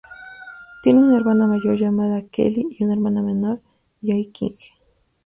Tiene una hermana mayor llamada Kelli y una hermana menor, Joey King.